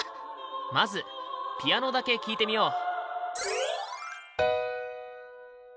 まずピアノだけ聴いてみよう。